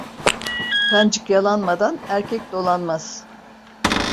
Kancık yalanmadan erkek dolanmaz.